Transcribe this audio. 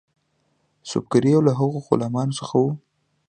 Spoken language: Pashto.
سُبکري یو له هغو غلامانو څخه وو.